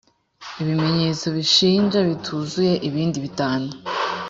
ibimenyetso bishinja bituzuye ibindi bitanu